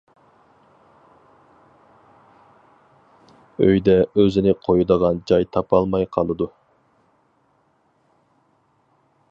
ئۆيدە ئۆزىنى قويىدىغان جاي تاپالماي قالىدۇ.